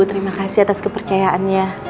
terima kasih atas kepercayaannya